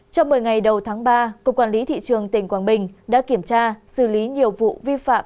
trong một mươi ngày đầu tháng ba cục quản lý thị trường tỉnh quảng bình đã kiểm tra xử lý nhiều vụ vi phạm